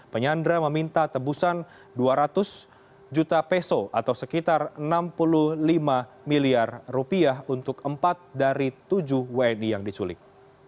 penyandra meminta tebusan dua ratus juta peso atau sekitar enam puluh lima miliar rupiah untuk empat dari tujuh wni yang diculik